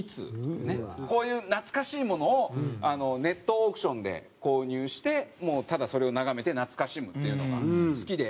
こういう懐かしいものをネットオークションで購入してもうただそれを眺めて懐かしむっていうのが好きで。